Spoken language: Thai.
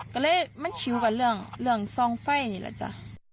ก็เลยมันชิวกันเรื่องเรื่องซองไฟนี่ละจ้ะ